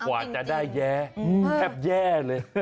กว่าจะได้แย้แทบแย่เลย